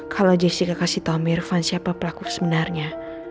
kalau jessica kasih tau om irfan siapa pelaku sebenarnya